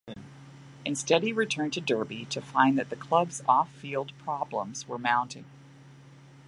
Instead he returned to Derby to find that the club's off-field problems were mounting.